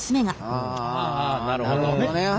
なるほどね。